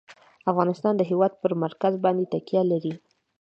افغانستان د هېواد پر مرکز باندې تکیه لري.